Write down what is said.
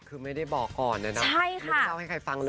คือไม่ได้บอกก่อนนะไม่ได้เล่าให้ใครฟังเลย